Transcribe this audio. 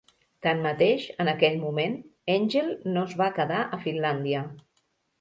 Tanmateix, en aquell moment, Engel no es va quedar a Finlàndia.